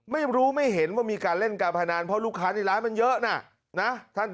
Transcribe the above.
ไม่รู้ไม่เห็นว่ามีการเล่นการพนันเพราะลูกค้าในร้านมันเยอะนะ